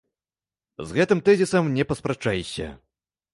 З гэтым тэзісам не паспрачаешся.